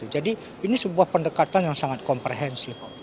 jadi ini sebuah pendekatan yang sangat komprehensif